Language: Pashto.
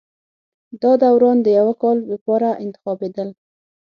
دا داوران د یوه کال لپاره انتخابېدل